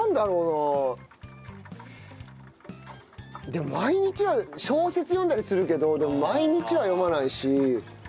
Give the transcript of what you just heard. でも毎日は小説読んだりするけどでも毎日は読まないし。